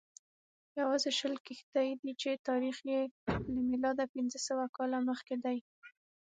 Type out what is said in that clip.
یوازې شل کښتۍ دي چې تاریخ یې له میلاده پنځه سوه کاله مخکې دی